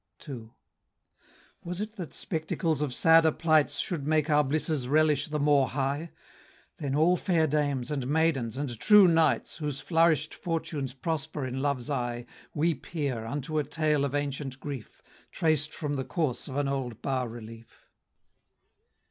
II. Was it that spectacles of sadder plights Should make our blisses relish the more high? Then all fair dames, and maidens, and true knights, Whose flourish'd fortunes prosper in Love's eye, Weep here, unto a tale of ancient grief, Traced from the course of an old bas relief.